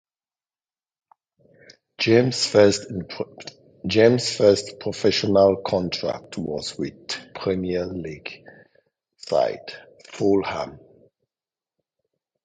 James' first professional contract was with Premier League side Fulham.